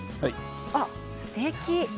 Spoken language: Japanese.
すてき。